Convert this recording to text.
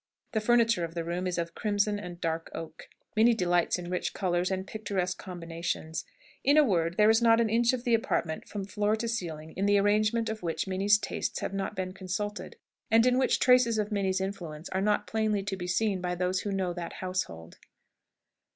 The furniture of the room is of crimson and dark oak. Minnie delights in rich colours and picturesque combinations. In a word, there is not an inch of the apartment, from floor to ceiling, in the arrangement of which Minnie's tastes have not been consulted, and in which traces of Minnie's influence are not plainly to be seen by those who know that household.